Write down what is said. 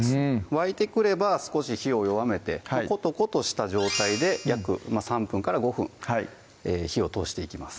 沸いてくれば少し火を弱めてコトコトした状態で約３分５分火を通していきます